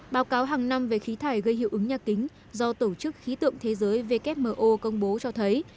báo cáo hàng năm về khí thải gây hiệu ứng nhà kính do tổ chức khí tượng thế giới wmo công bố cho thấy